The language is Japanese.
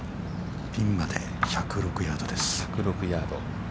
◆ピンまで１０６ヤードです。